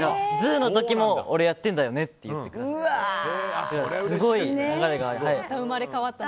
ＺＯＯの時も俺やってるんだよねって言ってくださって。